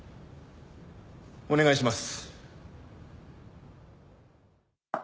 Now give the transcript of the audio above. お願いします。